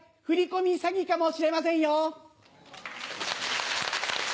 振り込み詐欺かもしれませんよ。